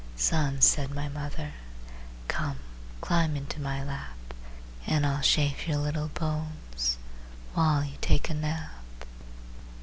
"Son," said my mother, "Come, climb into my lap, And I'll chafe your little bones While you take a nap."